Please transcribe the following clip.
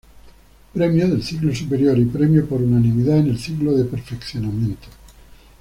Premio del Ciclo Superior y Premio por unanimidad en el Ciclo de Perfeccionamiento.